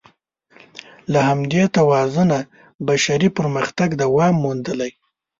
له همدې توازنه بشري پرمختګ دوام موندلی.